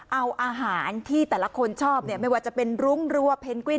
เอาอาหารที่แต่ละคนชอบไม่ว่าจะเป็นรุ้งหรือว่าเพนกวิ้น